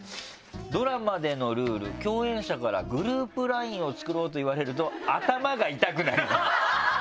「ドラマでのルール共演者から『グループＬＩＮＥを作ろう』と言われると頭が痛くなります」。